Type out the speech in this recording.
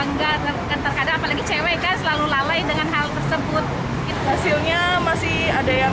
enggak terkadang apalagi cewek kan selalu lalai dengan hal tersebut itu hasilnya masih ada yang